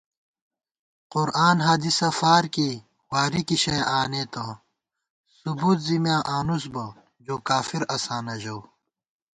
قرآن حدیثہ فارکېئ، واری کی شَیہ آنېتہ * ثبُوت زی میاں آنوس بہ، جوکافراساں نہ ژَؤ